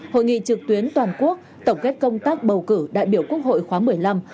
hội nghị trực tuyến toàn quốc tổng kết công tác bầu cử đại biểu quốc hội khóa một mươi năm